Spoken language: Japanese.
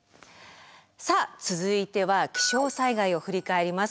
さあ続いては気象災害を振り返ります。